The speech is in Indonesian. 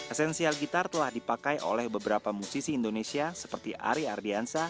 esensial gitar telah dipakai oleh beberapa musisi indonesia seperti ari ardiansa